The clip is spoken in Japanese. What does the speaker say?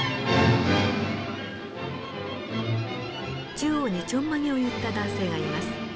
中央にちょんまげを結った男性がいます。